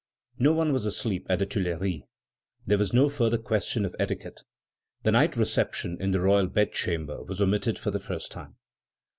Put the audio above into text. No one was asleep at the Tuileries. There was no further question of etiquette. The night reception in the royal bedchamber was omitted for the first time.